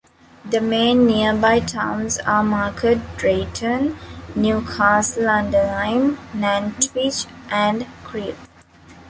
The main nearby towns are Market Drayton, Newcastle-under-Lyme, Nantwich and Crewe.